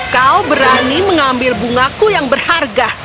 kau berani mengambil bungaku yang berharga